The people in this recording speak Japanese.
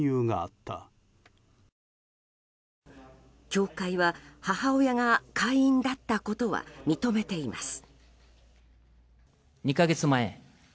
教会は母親が会員だったことは認めています。